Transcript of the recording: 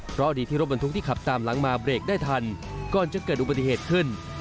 เพราะดีที่รถบรรทุกที่ขับตามหลังมาเบรกได้ทันก่อนจะเกิดอุบัติเหตุขึ้น